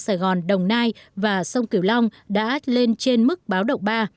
sài gòn đồng nai và sông cửu long đã lên trên mức báo động ba